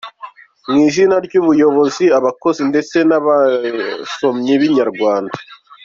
Mu izina ry'ubuyobozi, abakozi ndetse n'abasomyi ba Inyarwanda.